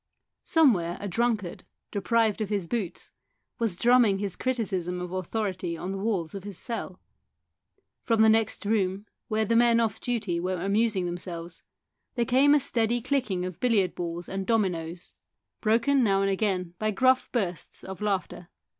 Somewhere a drunkard, deprived of his boots, was drumming his criticism of authority on the walls of his cell. From the next room, where the men off duty were amusing themselves, there came a steady clicking of billiard balls and dominoes, broken 181 182 THE SOUL OF A POLICEMAN now and again by gruff bursts of laughter.